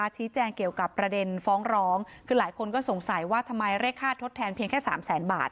ชี้แจงเกี่ยวกับประเด็นฟ้องร้องคือหลายคนก็สงสัยว่าทำไมเรียกค่าทดแทนเพียงแค่สามแสนบาท